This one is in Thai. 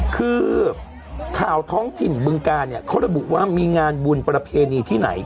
คือข่าวท้องถิ่นบึงการเนี่ยเขาระบุว่ามีงานบุญประเพณีที่ไหน